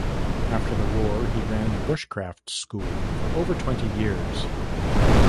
After the war he ran a bushcraft school for over twenty years.